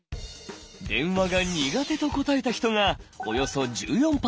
「電話が苦手」と答えた人がおよそ１４％。